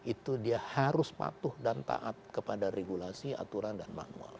itu dia harus patuh dan taat kepada regulasi aturan dan manual